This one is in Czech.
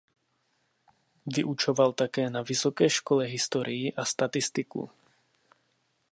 Vyučoval také na vysoké škole historii a statistiku.